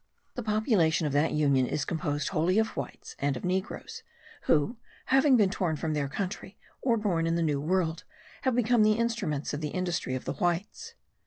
The population of that union is composed wholly of whites, and of negros, who, having been torn from their country, or born in the New World, have become the instruments of the industry of the whites.